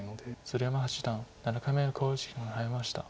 鶴山八段７回目の考慮時間に入りました。